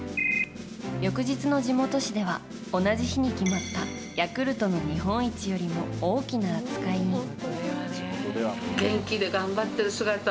翌日の地元紙では同じ日に決まったヤクルトの日本一よりも大きな扱いに。